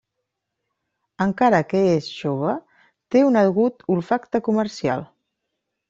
Encara que és jove, té un agut olfacte comercial.